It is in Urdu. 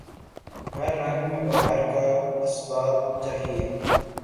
ہر رنگ میں بہار کا اثبات چاہیے